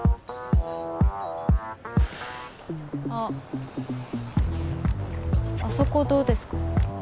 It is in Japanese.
あっあそこどうですか？